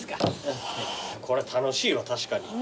これ楽しいわ確かに。